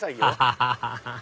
ハハハハ！